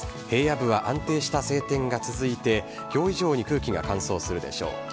平野部は安定した晴天が続いて、きょう以上に空気が乾燥するでしょう。